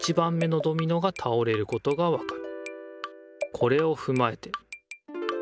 これをふまえて。